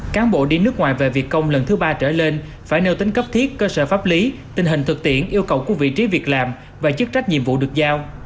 cán bộ đi nước ngoài về việc công lần thứ ba trở lên phải nêu tính cấp thiết cơ sở pháp lý tình hình thực tiễn yêu cầu của vị trí việc làm và chức trách nhiệm vụ được giao